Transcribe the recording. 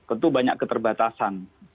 itu banyak keterbatasan